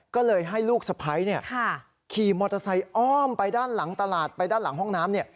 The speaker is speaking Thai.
ก็เลยให้ลูกสะพ้ายขี่มอเตอร์ไซค์อ้อมไปด้านหลังตลาดไปด้านหลังห้องน้ำ